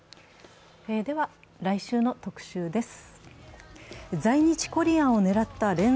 来週の特集です。